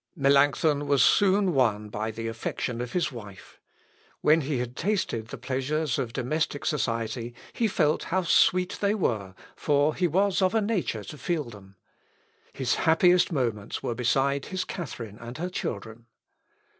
Melancthon was soon won by the affection of his wife. When he had tasted the pleasures of domestic society he felt how sweet they were, for he was of a nature to feel them. His happiest moments were beside his Catharine and her children.